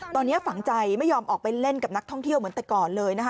ตอนนี้ฝังใจไม่ยอมออกไปเล่นกับนักท่องเที่ยวเหมือนแต่ก่อนเลยนะคะ